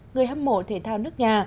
người hâm mộ thể thao nước nhà